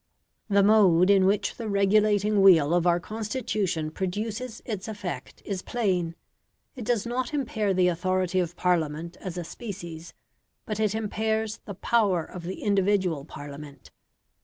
The mode in which the regulating wheel of our Constitution produces its effect is plain. It does not impair the authority of Parliament as a species, but it impairs the power of the individual Parliament.